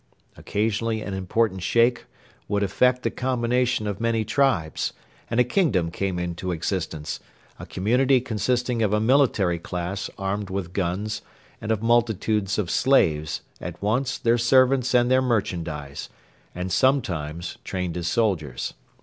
Occasionally an important Sheikh would effect the combination of many tribes, and a kingdom came into existence a community consisting of a military class armed with guns and of multitudes of slaves, at once their servants and their merchandise, and sometimes trained as soldiers.